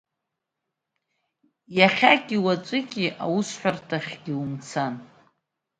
Иахьаки уаҵәыки аусҳәарҭахьгьы умцан.